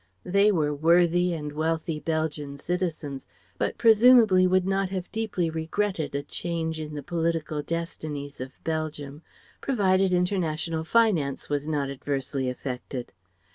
They were worthy and wealthy Belgian citizens, but presumably would not have deeply regretted a change in the political destinies of Belgium, provided international finance was not adversely affected.